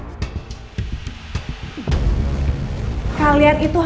jangan ke convincing